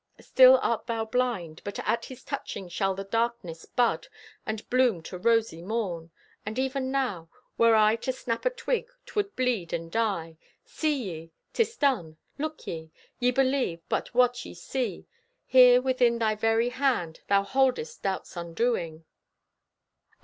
Still art thou blind! But at His touching shall the darkness bud And bloom to rosy morn. And even now, Were I to snap a twig 'twould bleed and die. See ye; 'tis done! Look ye! Ye believe but what ye see: Here within thy very hand Thou holdest Doubt's undoing.